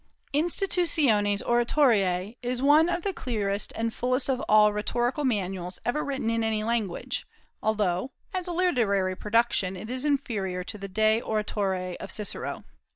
"Institutiones Oratoriae" is one of the clearest and fullest of all rhetorical manuals ever written in any language, although, as a literary production, it is inferior to the "De Oratore" of Cicero.